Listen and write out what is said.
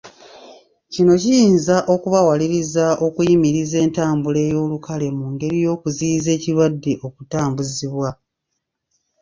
Kino kiyinza okubawaliriza okuyimiriza entambula ey’olukale mu ngeri y’okuziyizza ekirwadde okutambuzibwa.